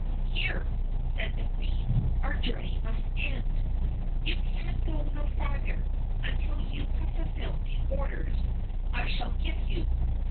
"Here," said the Queen, "our journey must end. You can go no farther until you have fulfilled the orders I shall give you.